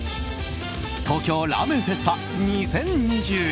東京ラーメンフェスタ２０２２！